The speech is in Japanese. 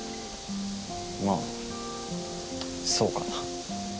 まあそうかな。